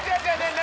何？